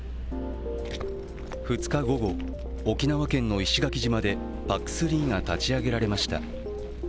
２日午後、沖縄県の石垣島でＰＡＣ−３が立ち上げられました。